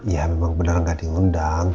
ya memang bener gak diundang